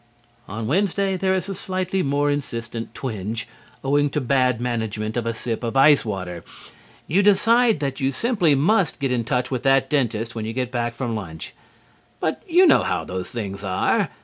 On Wednesday there is a slightly more insistent twinge, owing to bad management of a sip of ice water. You decide that you simply must get in touch with that dentist when you get back from lunch. But you know how those things are.